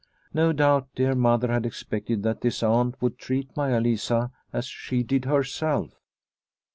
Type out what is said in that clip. No doubt dear Mother had expected that this aunt would treat Maia Lisa as she did herself.